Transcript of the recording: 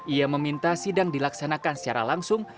ia meminta sidang dilaksanakan secara langsung